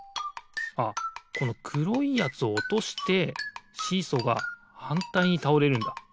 あっこのくろいやつをおとしてシーソーがはんたいにたおれるんだ。